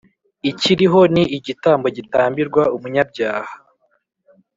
ikiriho ni igitambo gitambirwa umunyabyaha